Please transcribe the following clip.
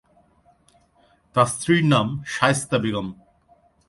তার স্ত্রীর নাম শায়েস্তা বেগম।